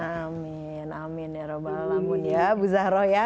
amin amin ya robbal alamun ya bu zahroh ya